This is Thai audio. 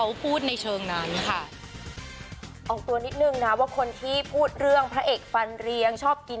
อันนี้หมายถึงคนที่แชร์หรือว่าคนที่ให้